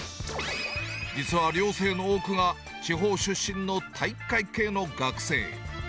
実は寮生の多くが地方出身の体育会系の学生。